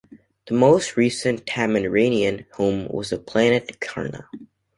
The most recent Tamaranean home was the planet Karna.